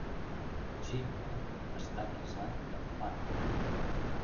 Chinna està casat amb Padma.